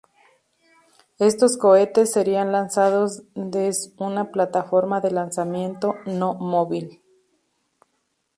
Estos cohetes serían lanzados des una plataforma de lanzamiento no móvil.